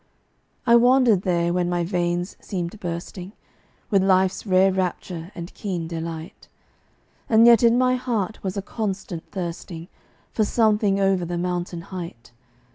I wandered there when my veins seemed bursting With life's rare rapture and keen delight, And yet in my heart was a constant thirsting For something over the mountain height.